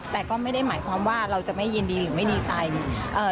แต่ก็ไม่ได้หมายความว่าเราจะไม่ยินดีหรือไม่ดีใจเอ่อ